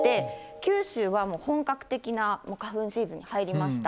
九州はもう本格的な花粉シーズンに入りました。